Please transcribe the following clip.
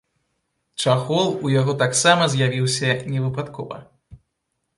Чахол у яго таксама з'явіўся не выпадкова.